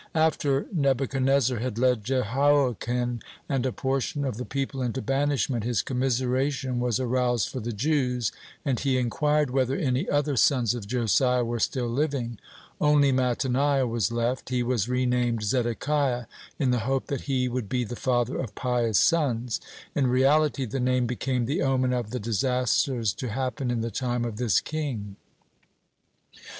After Nebuchadnezzar had led Jehoiachin and a portion of the people into banishment, his commiseration was aroused for the Jews, and he inquired, whether any other sons of Josiah were still living. Only Mattaniah was left. (1) He was re named Zedekiah, in the hope that he would be the father of pious sons. In reality the name became the omen of the disasters to happen in the time of this king.